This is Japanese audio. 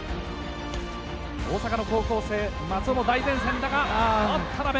大阪の高校生松尾も大善戦だが、田辺！